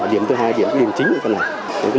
điểm thứ hai là điểm chính của con này